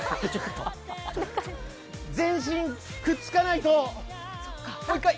全身くっつかないと、もう一回。